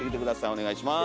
お願いします。